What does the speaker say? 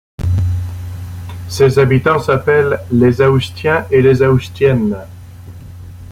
Ses habitants s'appellent les Aoustiens et les Aoustiennes.